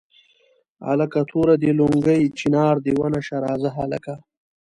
هلکه توره دې لونګۍ چنار دې ونه شاه زار هلکه.